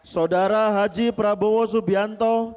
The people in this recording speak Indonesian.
saudara haji prabowo subianto